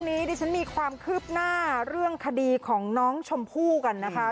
วันนี้ดิฉันมีความคืบหน้าเรื่องคดีของน้องชมพู่กันนะคะ